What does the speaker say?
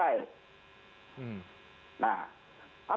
nah apa yang menjadi sengketa kemarin kan soal kenaikan